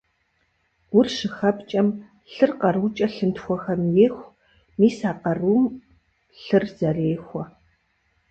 Гур щыхэпкӀэм, лъыр къарукӀэ лъынтхуэхэм еху, мис а къарум лъыр зэрехуэ.